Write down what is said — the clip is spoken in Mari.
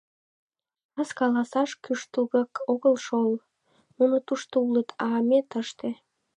Раш каласаш куштылгак огыл шол, нуно тушто улыт, а ме — тыште.